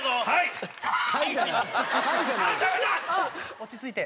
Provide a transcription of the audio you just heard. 落ち着いて。